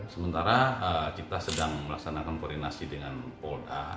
sementara kita sedang melaksanakan koordinasi dengan polda